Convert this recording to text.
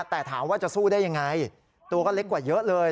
แต่ถามว่าจะสู้ได้ยังไงตัวก็เล็กกว่าเยอะเลย